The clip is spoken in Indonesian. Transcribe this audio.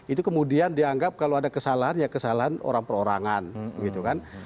itu kemudian dianggap kalau ada kesalahan ya kesalahan orang perorangan gitu kan